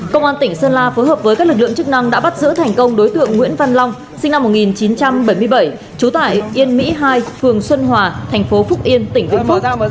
công an tỉnh sơn la phối hợp với các lực lượng chức năng đã bắt giữ thành công đối tượng nguyễn văn long sinh năm một nghìn chín trăm bảy mươi bảy trú tại yên mỹ hai phường xuân hòa thành phố phúc yên tỉnh vĩnh phúc